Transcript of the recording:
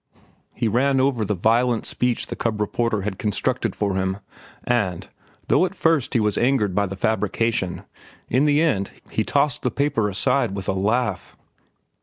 He ran over the violent speech the cub reporter had constructed for him, and, though at first he was angered by the fabrication, in the end he tossed the paper aside with a laugh.